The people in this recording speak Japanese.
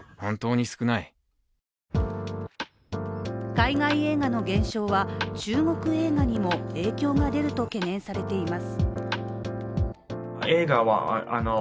海外映画の現象は、中国映画にも影響が出ると懸念されています。